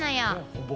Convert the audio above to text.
ほぼ。